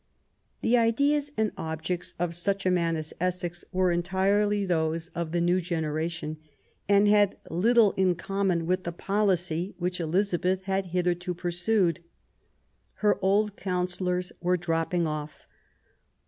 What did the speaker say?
The ideas and objects of such a man as Essex 244 QUEEN ELIZABETH, were entirely those of the new generation, and had little in common with the policy which Elizabeth had hitherto pursued. Her old counsellors were dropping off.